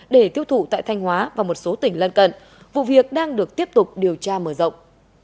để tiêu thụ tại thanh hóa và một số tỉnh lân cận vụ việc đang được tiếp tục điều tra mở rộng